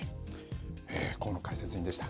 高野解説員でした。